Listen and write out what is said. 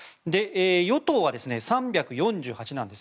与党は３４８なんです